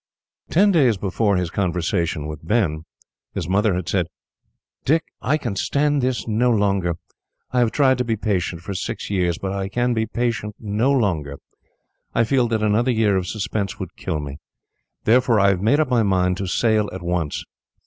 Ten days before his conversation with Ben, his mother had said: "Dick, I can stand this no longer. I have tried to be patient, for six years, but I can be patient no longer. I feel that another year of suspense would kill me. Therefore, I have made up my mind to sail at once.